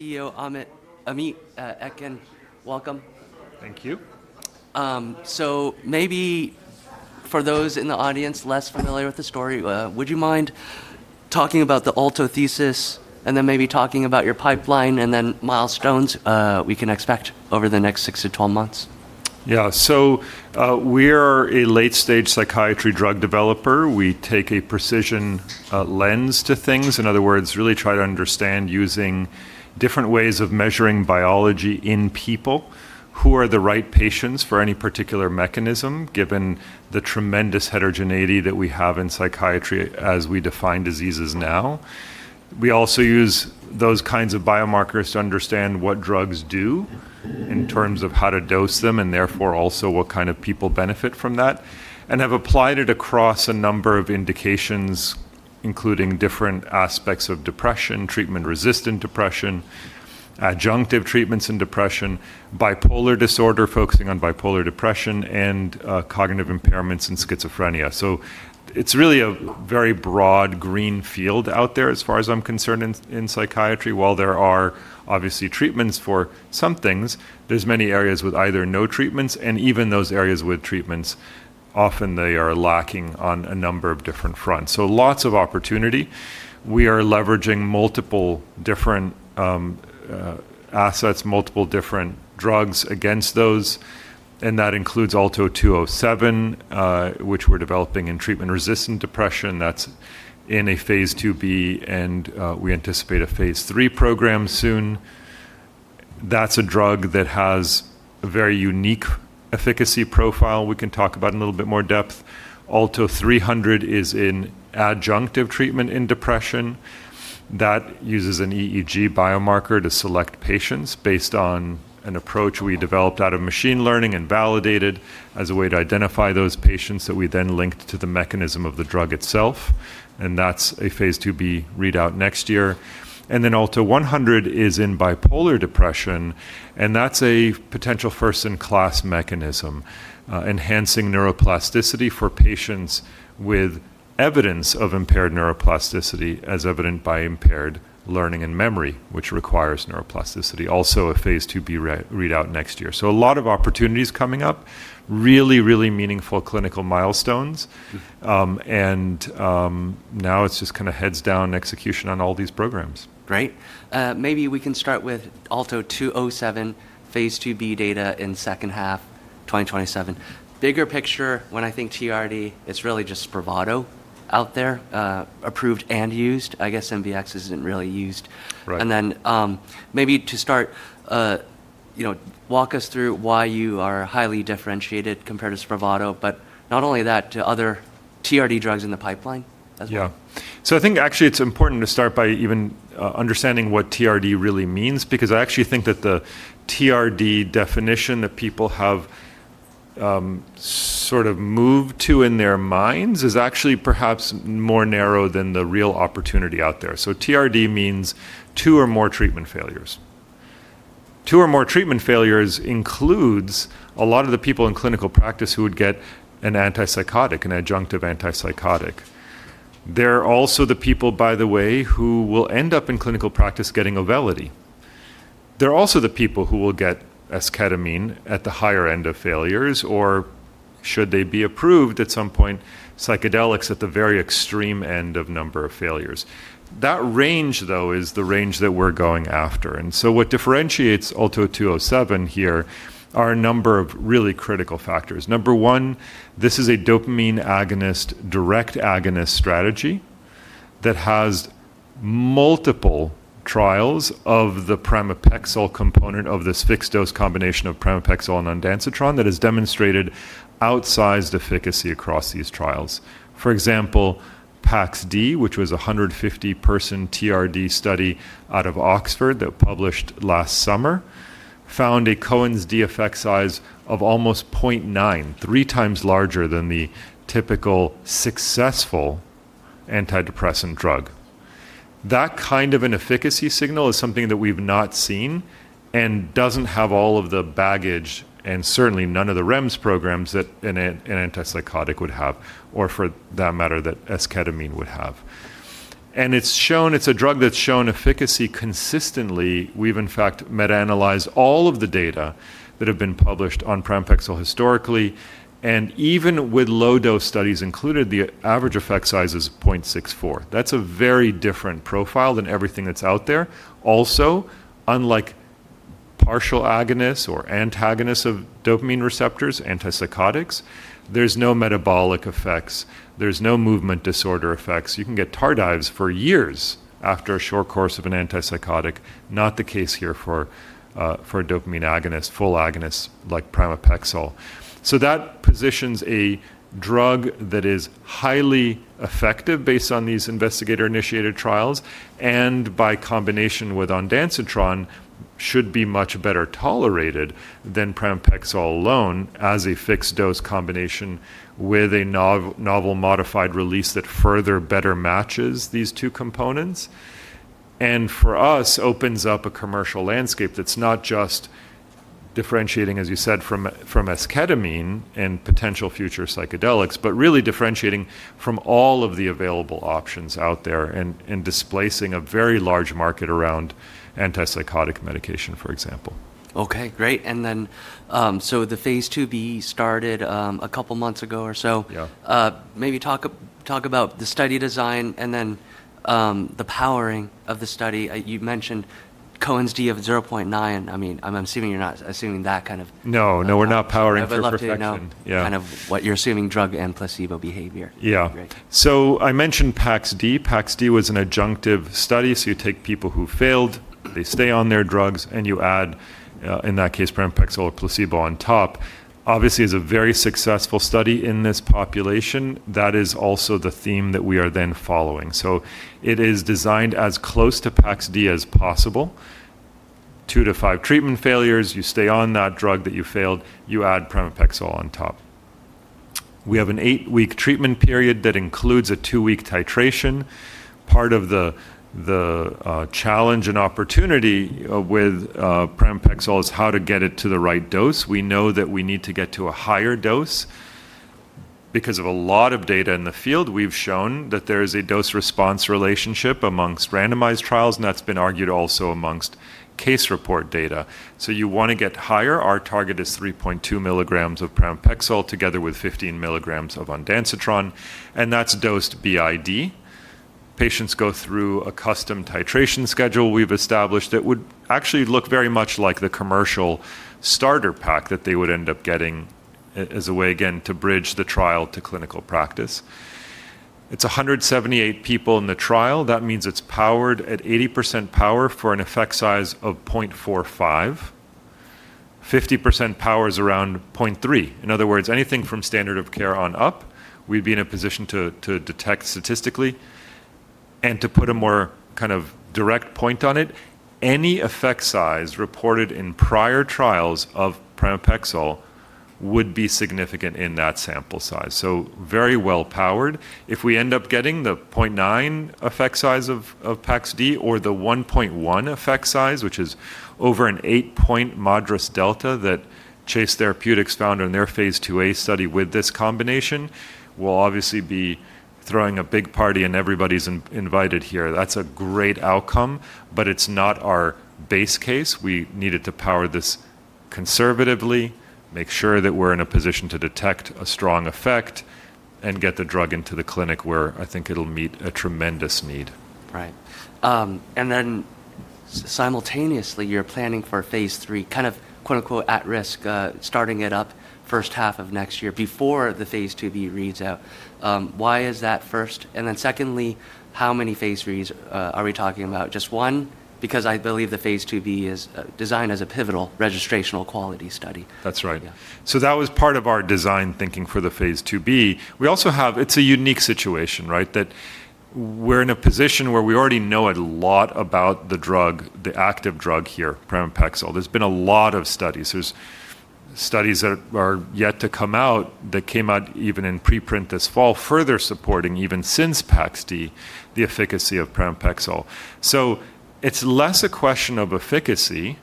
CEO Amit Etkin, welcome. Thank you. Maybe for those in the audience less familiar with the story, would you mind talking about the Alto thesis and then maybe talking about your pipeline and then milestones we can expect over the next 6-12 months? We are a late-stage psychiatry drug developer. We take a precision lens to things. In other words, really try to understand using different ways of measuring biology in people who are the right patients for any particular mechanism, given the tremendous heterogeneity that we have in psychiatry as we define diseases now. We also use those kinds of biomarkers to understand what drugs do in terms of how to dose them, and therefore also what kind of people benefit from that, and have applied it across a number of indications, including different aspects of depression, treatment-resistant depression, adjunctive treatments in depression, bipolar disorder, focusing on bipolar depression, and cognitive impairments in schizophrenia. It's really a very broad green field out there as far as I'm concerned in psychiatry. While there are obviously treatments for some things, there's many areas with either no treatments, and even those areas with treatments, often they are lacking on a number of different fronts. Lots of opportunity. We are leveraging multiple different assets, multiple different drugs against those, and that includes ALTO-207, which we're developing in treatment-resistant depression. That's in a phase II-B, and we anticipate a phase III program soon. That's a drug that has a very unique efficacy profile we can talk about in a little bit more depth. ALTO-300 is in adjunctive treatment in depression. That uses an EEG biomarker to select patients based on an approach we developed out of machine learning and validated as a way to identify those patients that we then linked to the mechanism of the drug itself. That's a phase II-B readout next year. ALTO-100 is in bipolar depression, and that's a potential first-in-class mechanism, enhancing neuroplasticity for patients with evidence of impaired neuroplasticity, as evident by impaired learning and memory, which requires neuroplasticity. A phase II-B readout next year. A lot of opportunities coming up, really, really meaningful clinical milestones. Now it's just kind of heads down execution on all these programs. Great. Maybe we can start with ALTO-207 phase II-B data in second half 2027. Bigger picture, when I think TRD, it's really just SPRAVATO out there, approved and used. I guess [NVX] isn't really used. Right. Maybe to start, walk us through why you are highly differentiated compared to SPRAVATO, but not only that, to other TRD drugs in the pipeline as well? Yeah. I think actually it's important to start by even understanding what TRD really means, because I actually think that the TRD definition that people have sort of moved to in their minds is actually perhaps more narrow than the real opportunity out there. TRD means two or more treatment failures. Two or more treatment failures includes a lot of the people in clinical practice who would get an antipsychotic, an adjunctive antipsychotic. They're also the people, by the way, who will end up in clinical practice getting Auvelity. They're also the people who will get esketamine at the higher end of failures, or should they be approved at some point, psychedelics at the very extreme end of number of failures. That range, though, is the range that we're going after. What differentiates ALTO-207 here are a number of really critical factors. Number one, this is a dopamine agonist, direct agonist strategy that has multiple trials of the pramipexole component of this fixed-dose combination of pramipexole and ondansetron that has demonstrated outsized efficacy across these trials. For example, PAX-D, which was a 150-person TRD study out of Oxford that published last summer, found a Cohen's d effect size of almost 0.9, three times larger than the typical successful antidepressant drug. That kind of an efficacy signal is something that we've not seen and doesn't have all of the baggage, and certainly none of the REMS programs that an antipsychotic would have, or for that matter, that esketamine would have. It's a drug that's shown efficacy consistently. We've, in fact, meta-analyzed all of the data that have been published on pramipexole historically, and even with low-dose studies included, the average effect size is 0.64. That's a very different profile than everything that's out there. Unlike partial agonists or antagonists of dopamine receptors, antipsychotics, there's no metabolic effects. There's no movement disorder effects. You can get tardives for years after a short course of an antipsychotic. Not the case here for a dopamine agonist, full agonist like pramipexole. That positions a drug that is highly effective based on these investigator-initiated trials, and by combination with ondansetron, should be much better tolerated than pramipexole alone as a fixed-dose combination with a novel modified release that further better matches these two components, and for us, opens up a commercial landscape that's not just differentiating, as you said, from esketamine and potential future psychedelics, but really differentiating from all of the available options out there and displacing a very large market around antipsychotic medication, for example. Okay, great. The phase II-B started a couple of months ago or so. Yeah. Maybe talk about the study design and then the powering of the study. You've mentioned Cohen's d of 0.9. I'm assuming you're not assuming. No, we're not powering for perfection. I would love to know- Yeah. ...kind of what you're assuming drug and placebo behavior. Yeah. Great. I mentioned PAX-D. PAX-D was an adjunctive study. You take people who failed, they stay on their drugs, and you add, in that case, pramipexole or placebo on top. Obviously, it's a very successful study in this population. That is also the theme that we are then following. It is designed as close to PAX-D as possible. Two to five treatment failures, you stay on that drug that you failed, you add pramipexole on top. We have an eight-week treatment period that includes a two-week titration. Part of the challenge and opportunity with pramipexole is how to get it to the right dose. We know that we need to get to a higher dose. Because of a lot of data in the field, we've shown that there is a dose-response relationship amongst randomized trials, and that's been argued also amongst case report data. You want to get higher. Our target is 3.2 mg of pramipexole together with 15 mg of ondansetron, and that's dosed BID. Patients go through a custom titration schedule we've established that would actually look very much like the commercial starter pack that they would end up getting as a way, again, to bridge the trial to clinical practice. It's 178 people in the trial. That means it's powered at 80% power for an effect size of 0.45. 50% power is around 0.3. In other words, anything from standard of care on up, we'd be in a position to detect statistically. To put a more direct point on it, any effect size reported in prior trials of pramipexole would be significant in that sample size. Very well powered. If we end up getting the 0.9 effect size of PAX-D or the 1.1 effect size, which is over an eight-point MADRS delta that Chase Therapeutics found in their phase IIa study with this combination, we'll obviously be throwing a big party, and everybody's invited here. That's a great outcome, but it's not our base case. We needed to power this conservatively, make sure that we're in a position to detect a strong effect, and get the drug into the clinic where I think it'll meet a tremendous need. Right. Simultaneously, you're planning for phase III, kind of "at risk," starting it up the first half of next year before the phase II-B reads out. Why is that first? Secondly, how many phase IIIs are we talking about? Just one? Because I believe the phase II-B is designed as a pivotal registrational quality study. That's right. Yeah. That was part of our design thinking for the phase II-B. It's a unique situation, right? That we're in a position where we already know a lot about the drug, the active drug here, pramipexole. There's been a lot of studies. There's studies that are yet to come out that came out even in preprint this fall, further supporting, even since PAX-D, the efficacy of pramipexole. It's less a question of efficacy,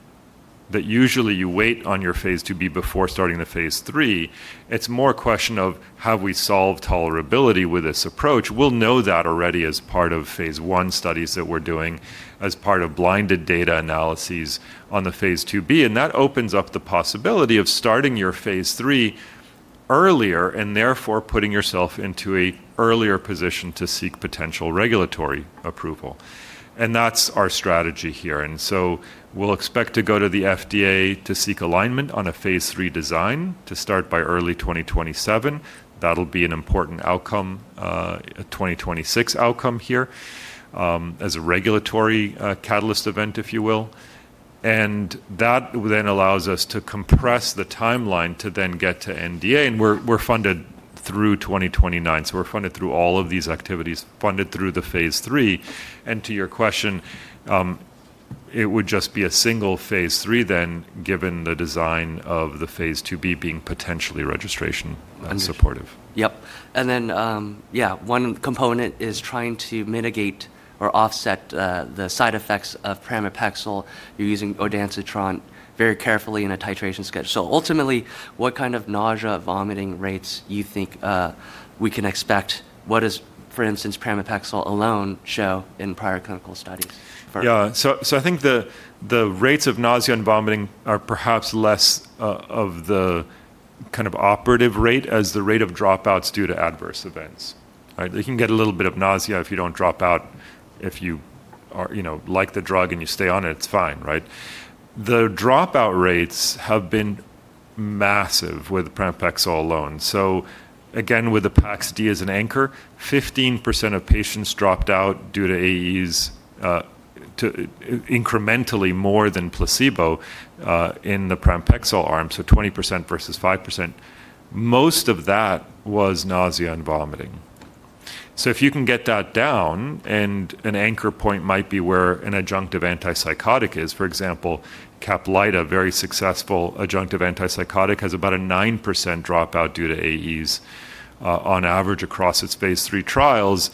that usually you wait on your phase II-B before starting the phase III. It's more a question of have we solved tolerability with this approach? We'll know that already as part of phase I studies that we're doing, as part of blinded data analyses on the phase II-B, and that opens up the possibility of starting your phase III earlier and therefore putting yourself into an earlier position to seek potential regulatory approval. That's our strategy here. We'll expect to go to the FDA to seek alignment on a phase III design to start by early 2027. That'll be an important outcome, a 2026 outcome here, as a regulatory catalyst event, if you will. That then allows us to compress the timeline to then get to NDA, and we're funded through 2029. We're funded through all of these activities, funded through the phase III. To your question, it would just be a single phase III then, given the design of the phase II-B being potentially registration supportive. Understood. Yep. Then, yeah, one component is trying to mitigate or offset the side effects of pramipexole. You're using ondansetron very carefully in a titration schedule. Ultimately, what kind of nausea, vomiting rates you think we can expect? What does, for instance, pramipexole alone show in prior clinical studies? Yeah. I think the rates of nausea and vomiting are perhaps less of the kind of operative rate as the rate of dropouts due to Adverse Events. You can get a little bit of nausea if you don't drop out. If you like the drug and you stay on it's fine, right? The dropout rates have been massive with pramipexole alone. Again, with the PAX-D as an anchor, 15% of patients dropped out due to AEs, incrementally more than placebo in the pramipexole arm. 20% versus 5%. Most of that was nausea and vomiting. If you can get that down, and an anchor point might be where an adjunctive antipsychotic is. For example, CAPLYTA, a very successful adjunctive antipsychotic, has about a 9% dropout due to AEs on average across its phase III trials.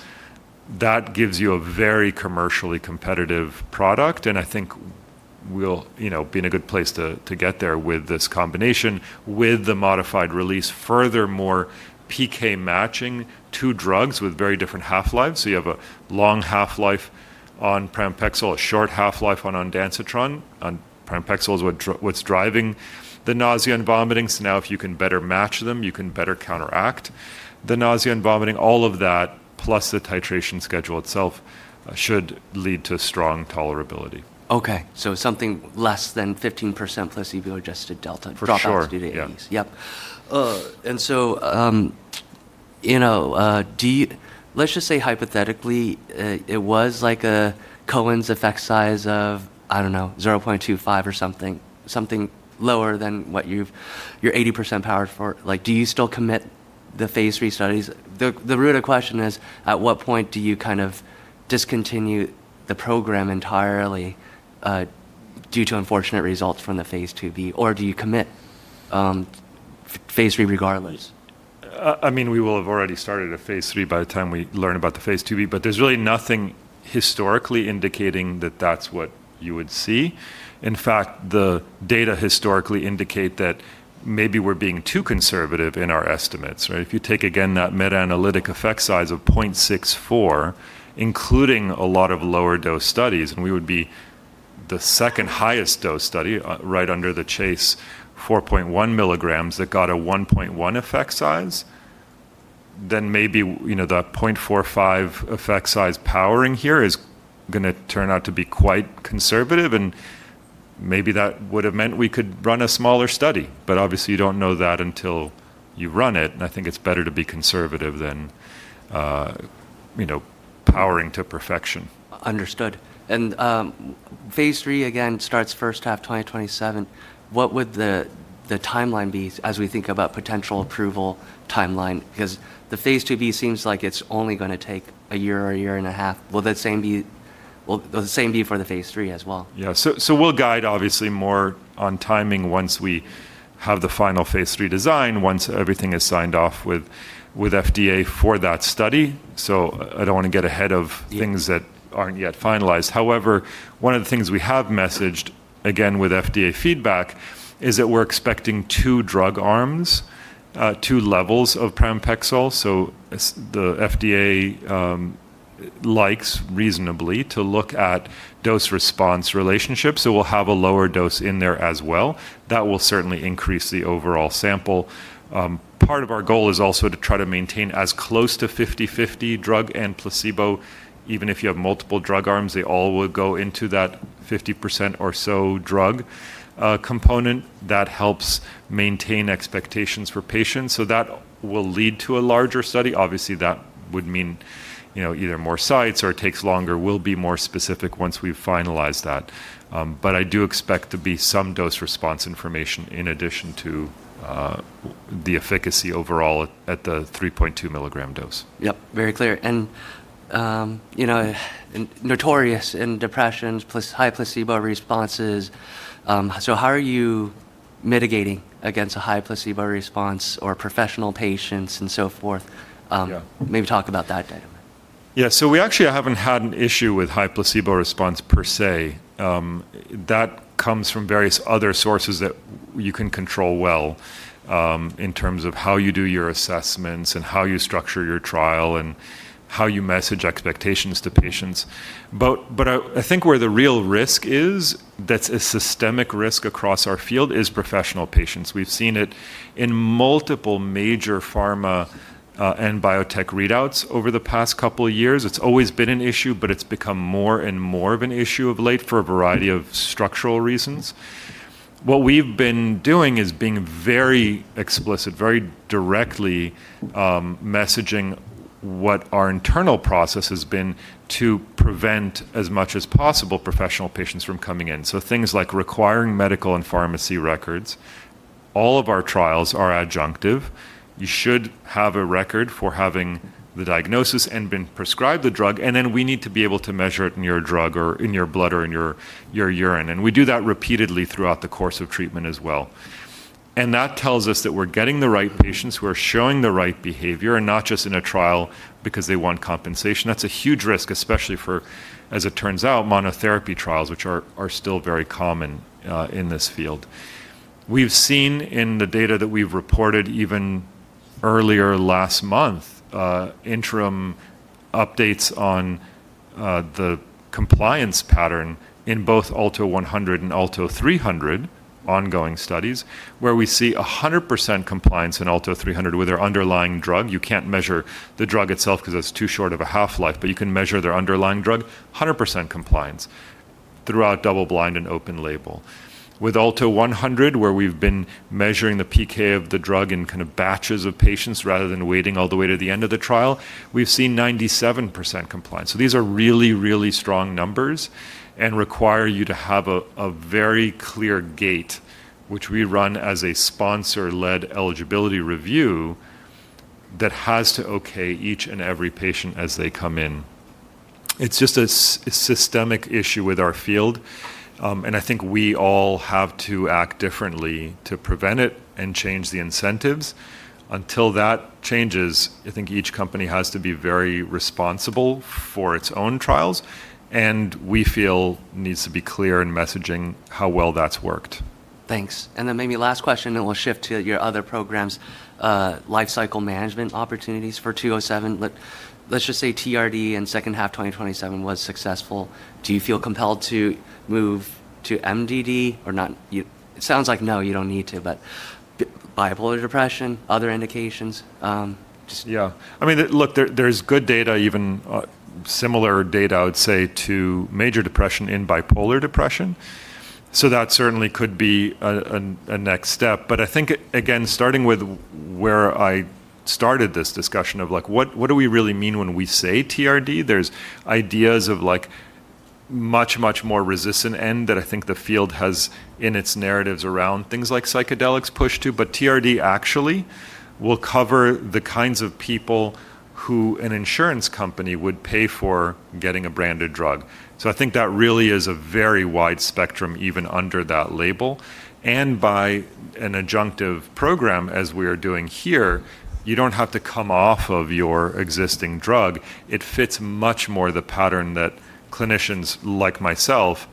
That gives you a very commercially competitive product, and I think we'll be in a good place to get there with this combination, with the modified release, furthermore, PK matching two drugs with very different half-lives. You have a long half-life on pramipexole, a short half-life on ondansetron. On pramipexole is what's driving the nausea and vomiting, now if you can better match them, you can better counteract the nausea and vomiting. All of that, plus the titration schedule itself, should lead to strong tolerability. Okay, something less than 15% placebo-adjusted delta- For sure. ...dropouts due to AEs. Yeah. Yep. Let's just say hypothetically, it was like a Cohen's effect size of, I don't know, 0.25 or something lower than what you're 80% powered for. Do you still commit the phase III studies? The root of question is, at what point do you kind of discontinue the program entirely due to unfortunate results from the phase II-B, or do you commit phase III regardless? We will have already started a phase III by the time we learn about the phase II-B. There's really nothing historically indicating that that's what you would see. In fact, the data historically indicate that maybe we're being too conservative in our estimates, right? If you take again that meta-analytic effect size of 0.64, including a lot of lower dose studies, we would be the second highest dose study, right under the Chase 4.1 mg that got a 1.1 effect size. Maybe the 0.45 effect size powering here is going to turn out to be quite conservative. Maybe that would've meant we could run a smaller study. Obviously you don't know that until you run it. I think it's better to be conservative than powering to perfection. Understood. Phase III, again, starts first half 2027. What would the timeline be as we think about potential approval timeline? The phase II-B seems like it's only going to take a year or a year and a half. Will the same be for the phase III as well? Yeah. We'll guide obviously more on timing once we have the final phase III design, once everything is signed off with FDA for that study. I don't want to get ahead of things that aren't yet finalized. However, one of the things we have messaged, again, with FDA feedback, is that we're expecting two drug arms, two levels of pramipexole. The FDA likes reasonably to look at dose-response relationships. We'll have a lower dose in there as well. That will certainly increase the overall sample. Part of our goal is also to try to maintain as close to 50/50 drug and placebo. Even if you have multiple drug arms, they all would go into that 50% or so drug component. That helps maintain expectations for patients. That will lead to a larger study. Obviously, that would mean either more sites or it takes longer. We'll be more specific once we've finalized that. I do expect to be some dose response information in addition to the efficacy overall at the 3.2 mg dose. Yep, very clear. Notorious in depressions, high placebo responses. How are you mitigating against a high placebo response or professional patients and so forth? Yeah. Maybe talk about that dynamic. Yeah. We actually haven't had an issue with high placebo response per se. That comes from various other sources that you can control well, in terms of how you do your assessments and how you structure your trial and how you message expectations to patients. I think where the real risk is, that's a systemic risk across our field, is professional patients. We've seen it in multiple major pharma and biotech readouts over the past couple of years. It's always been an issue, but it's become more and more of an issue of late for a variety of structural reasons. We've been doing is being very explicit, very directly messaging what our internal process has been to prevent as much as possible professional patients from coming in. Things like requiring medical and pharmacy records. All of our trials are adjunctive. You should have a record for having the diagnosis and been prescribed the drug, then we need to be able to measure it in your drug or in your blood or in your urine. We do that repeatedly throughout the course of treatment as well. That tells us that we're getting the right patients who are showing the right behavior and not just in a trial because they want compensation. That's a huge risk, especially for, as it turns out, monotherapy trials, which are still very common in this field. We've seen in the data that we've reported even earlier last month, interim updates on the compliance pattern in both ALTO-100 and ALTO-300 ongoing studies, where we see 100% compliance in ALTO-300 with their underlying drug. You can't measure the drug itself because it's too short of a half-life, but you can measure their underlying drug, 100% compliance throughout double blind and open label. With ALTO-100, where we've been measuring the PK of the drug in batches of patients rather than waiting all the way to the end of the trial, we've seen 97% compliance. These are really, really strong numbers and require you to have a very clear gate, which we run as a sponsor-led eligibility review that has to okay each and every patient as they come in. It's just a systemic issue with our field. I think we all have to act differently to prevent it and change the incentives. Until that changes, I think each company has to be very responsible for its own trials, and we feel needs to be clear in messaging how well that's worked. Thanks. Maybe last question, then we'll shift to your other programs, lifecycle management opportunities for ALTO-207. Let's just say TRD in second half 2027 was successful. Do you feel compelled to move to MDD or not? It sounds like no, you don't need to, bipolar depression, other indications? Yeah. Look, there's good data, even similar data, I would say, to major depression in bipolar depression, that certainly could be a next step. I think, again, starting with where I started this discussion of what do we really mean when we say TRD? There's ideas of much more resistant end that I think the field has in its narratives around things like psychedelics push to, TRD actually will cover the kinds of people who an insurance company would pay for getting a branded drug. I think that really is a very wide spectrum, even under that label. By an adjunctive program as we are doing here, you don't have to come off of your existing drug. It fits much more the pattern that clinicians like myself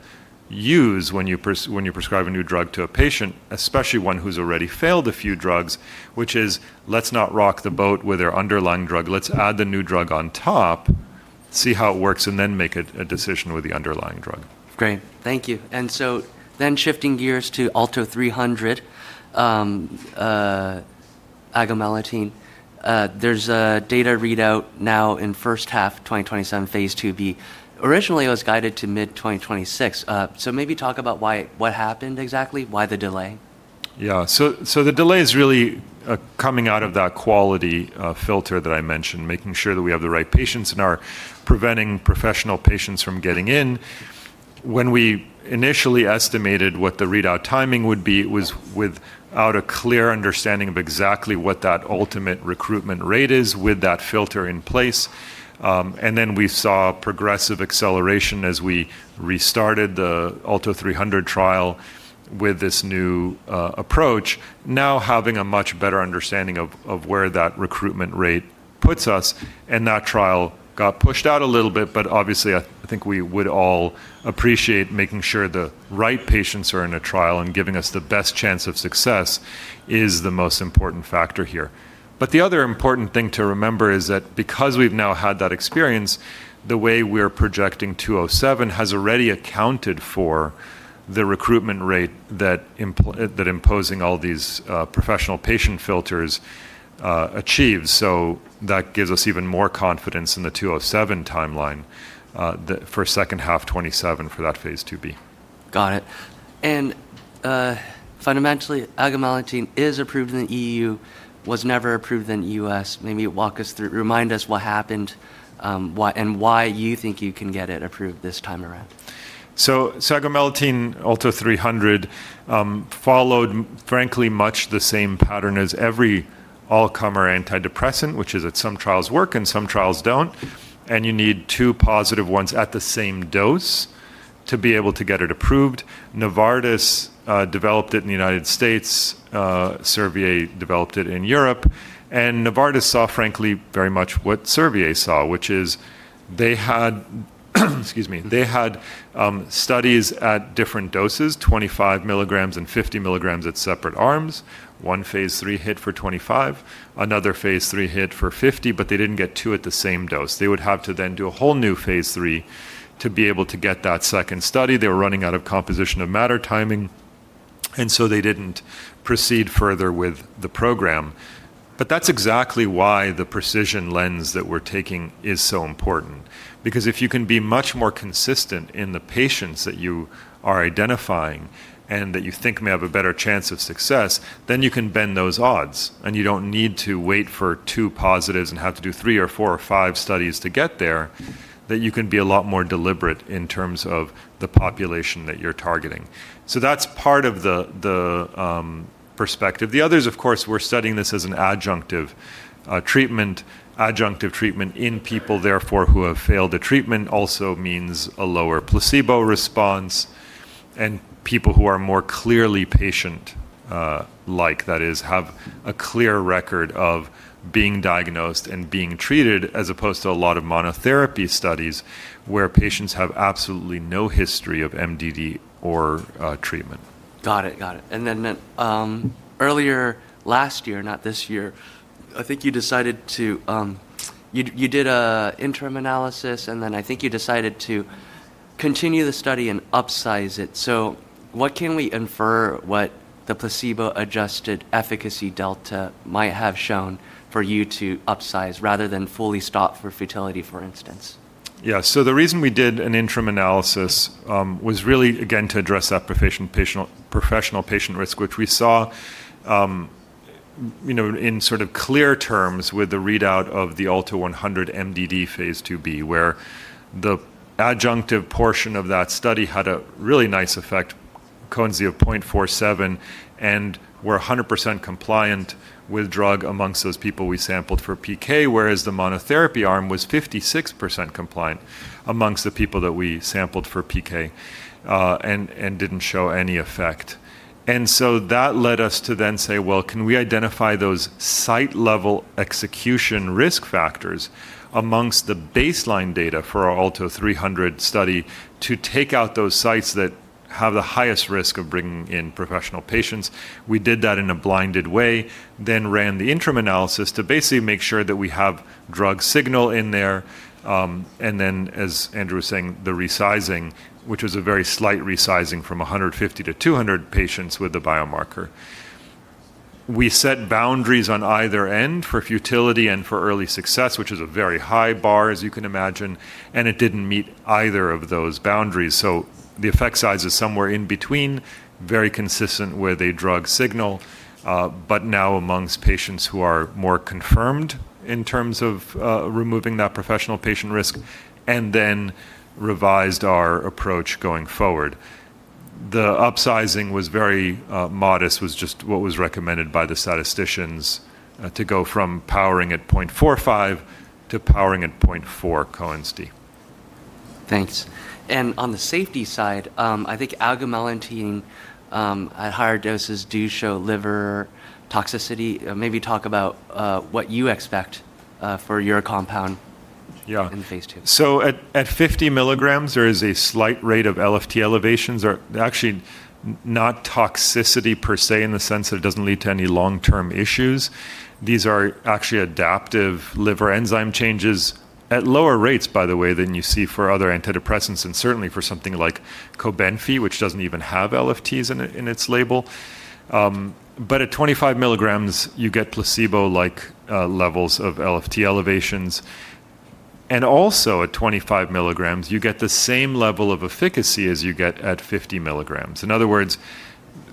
use when you prescribe a new drug to a patient, especially one who's already failed a few drugs, which is, let's not rock the boat with their underlying drug. Let's add the new drug on top, see how it works, and then make a decision with the underlying drug. Great. Thank you. Shifting gears to ALTO-300, agomelatine. There's a data readout now in first half 2027, phase II-B. Originally, it was guided to mid-2026. Maybe talk about what happened exactly, why the delay? Yeah. The delay is really coming out of that quality filter that I mentioned, making sure that we have the right patients and are preventing professional patients from getting in. When we initially estimated what the readout timing would be, it was without a clear understanding of exactly what that ultimate recruitment rate is with that filter in place. We saw progressive acceleration as we restarted the ALTO-300 trial with this new approach, now having a much better understanding of where that recruitment rate puts us, and that trial got pushed out a little bit. Obviously, I think we would all appreciate making sure the right patients are in a trial and giving us the best chance of success is the most important factor here. The other important thing to remember is that because we've now had that experience, the way we're projecting ALTO-207 has already accounted for the recruitment rate that imposing all these professional patient filters achieves. That gives us even more confidence in the ALTO-207 timeline for second half 2027 for that phase II-B. Got it. Fundamentally, agomelatine is approved in the EU, was never approved in the U.S. Maybe walk us through, remind us what happened, and why you think you can get it approved this time around? agomelatine ALTO-300 followed, frankly, much the same pattern as every all-comer antidepressant, which is that some trials work and some trials don't, and you need two positive ones at the same dose to be able to get it approved. Novartis developed it in the United States, Servier developed it in Europe, and Novartis saw, frankly, very much what Servier saw, which is they had excuse me, studies at different doses, 25 mg and 50 mg at separate arms. One phase III hit for 25 mg, another phase III hit for 50 mg, but they didn't get two at the same dose. They would have to then do a whole new phase III to be able to get that second study. They were running out of composition of matter timing, they didn't proceed further with the program. That's exactly why the precision lens that we're taking is so important. Because if you can be much more consistent in the patients that you are identifying and that you think may have a better chance of success, then you can bend those odds, and you don't need to wait for two positives and have to do three or four or five studies to get there, that you can be a lot more deliberate in terms of the population that you're targeting. That's part of the perspective. The other is, of course, we're studying this as an adjunctive treatment. Adjunctive treatment in people, therefore, who have failed a treatment also means a lower placebo response and people who are more clearly patient-like, that is, have a clear record of being diagnosed and being treated, as opposed to a lot of monotherapy studies where patients have absolutely no history of MDD or treatment. Got it. Earlier last year, not this year, I think you did an interim analysis, and then I think you decided to continue the study and upsize it. What can we infer what the placebo-adjusted efficacy delta might have shown for you to upsize rather than fully stop for futility, for instance? Yeah. The reason we did an interim analysis was really, again, to address that professional patient risk, which we saw in clear terms with the readout of the ALTO-100 MDD phase II-B, where the adjunctive portion of that study had a really nice effect Cohen's d of 0.47, and were 100% compliant with drug amongst those people we sampled for PK, whereas the monotherapy arm was 56% compliant amongst the people that we sampled for PK, and didn't show any effect. That led us to then say, "Well, can we identify those site-level execution risk factors amongst the baseline data for our ALTO-300 study to take out those sites that have the highest risk of bringing in professional patients?" We did that in a blinded way, then ran the interim analysis to basically make sure that we have drug signal in there. As Andrew was saying, the resizing, which was a very slight resizing from 150-200 patients with the biomarker. We set boundaries on either end for futility and for early success, which is a very high bar, as you can imagine, it didn't meet either of those boundaries. The effect size is somewhere in between, very consistent with a drug signal, but now amongst patients who are more confirmed in terms of removing that professional patient risk, revised our approach going forward. The upsizing was very modest, was just what was recommended by the statisticians to go from powering at 0.45 to powering at 0.4 Cohen's d. Thanks. On the safety side, I think agomelatine at higher doses do show liver toxicity. Maybe talk about what you expect for your compound- Yeah ...in the phase II. At 50 mg, there is a slight rate of LFT elevations. They're actually not toxicity per se, in the sense that it doesn't lead to any long-term issues. These are actually adaptive liver enzyme changes at lower rates, by the way, than you see for other antidepressants and certainly for something like COBENFY, which doesn't even have LFTs in its label. At 25 mg, you get placebo-like levels of LFT elevations. At 25 mg, you get the same level of efficacy as you get at 50 mg. In other words,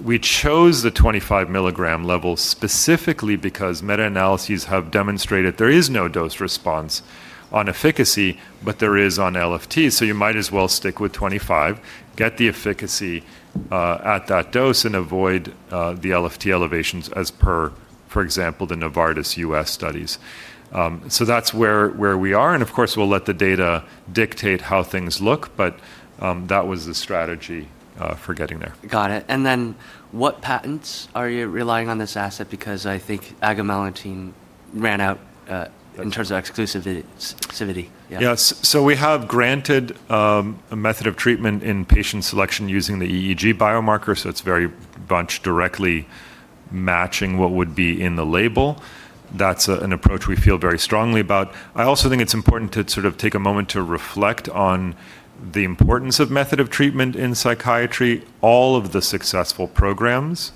we chose the 25 mg level specifically because meta-analyses have demonstrated there is no dose response on efficacy, but there is on LFT, so you might as well stick with 25 mg, get the efficacy at that dose, and avoid the LFT elevations as per, for example, the Novartis U.S. studies. That's where we are, and of course, we'll let the data dictate how things look, but that was the strategy for getting there. Got it. What patents are you relying on this asset? Because I think agomelatine ran out in terms of exclusivity. Yeah. We have granted a method of treatment in patient selection using the EEG biomarker, so it's very much directly matching what would be in the label. That's an approach we feel very strongly about. I also think it's important to take a moment to reflect on the importance of method of treatment in psychiatry. All of the successful programs,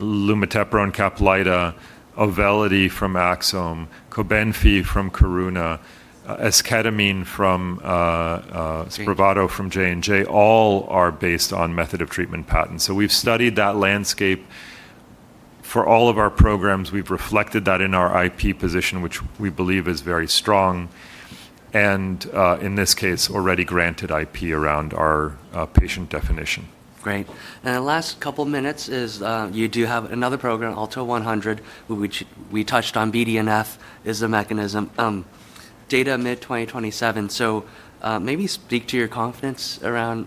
lumateperone CAPLYTA, Auvelity from Axsome, COBENFY from Karuna, esketamine from- SPRAVATO. ...SPRAVATO from J&J, all are based on method of treatment patents. We've studied that landscape for all of our programs. We've reflected that in our IP position, which we believe is very strong, and, in this case, already granted IP around our patient definition. Great. The last couple minutes is, you do have another program, ALTO-100, which we touched on. BDNF is the mechanism. Data mid-2027, so maybe speak to your confidence around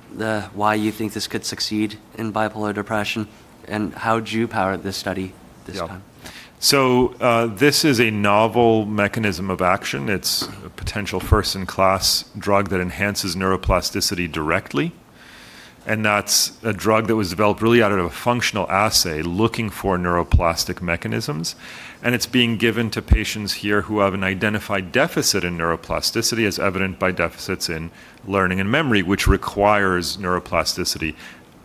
why you think this could succeed in bipolar depression, and how do you power this study this time? This is a novel mechanism of action. It's a potential first-in-class drug that enhances neuroplasticity directly. That's a drug that was developed really out of a functional assay looking for neuroplastic mechanisms. It's being given to patients here who have an identified deficit in neuroplasticity, as evident by deficits in learning and memory, which requires neuroplasticity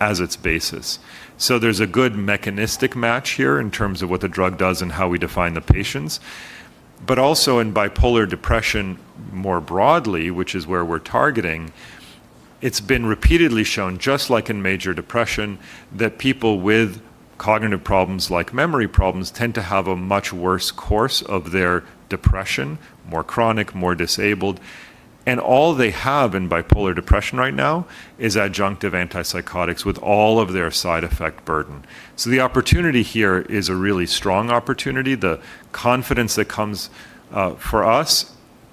as its basis. There's a good mechanistic match here in terms of what the drug does and how we define the patients. Also in bipolar depression more broadly, which is where we're targeting, it's been repeatedly shown, just like in major depression, that people with cognitive problems like memory problems tend to have a much worse course of their depression, more chronic, more disabled. All they have in bipolar depression right now is adjunctive antipsychotics with all of their side effect burden. The opportunity here is a really strong opportunity. The confidence that comes for us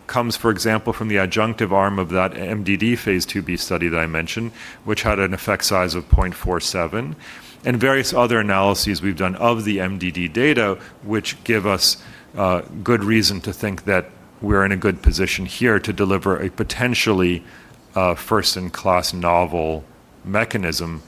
comes, for example, from the adjunctive arm of that MDD phase II-B study that I mentioned, which had an effect size of 0.47, and various other analyses we've done of the MDD data, which give us good reason to think that we're in a good position here to deliver a potentially first-in-class novel mechanism,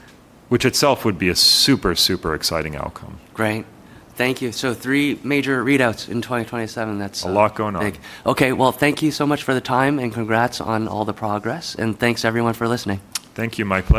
which itself would be a super exciting outcome. Great. Thank you. Three major readouts in 2027. A lot going on. big. Okay, well, thank you so much for the time, and congrats on all the progress, and thanks everyone for listening. Thank you. My pleasure.